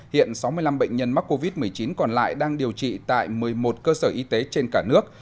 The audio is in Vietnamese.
hiện sáu mươi năm bệnh nhân mắc covid một mươi chín còn lại đang điều trị tại một mươi một cơ sở y tế trên cả nước